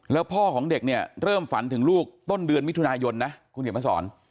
แล้วพ่อของเด็กเนี่ยเริ่มฝันถึงลูกต้นเดือนมิถุนายนนะคุณเขียนมาสอน